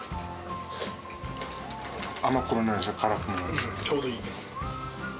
甘くもないし、ちょうどいい。